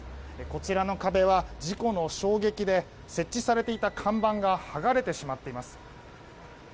こちらの壁は、事故の衝撃で設置されていた看板が剥がれてしまっています。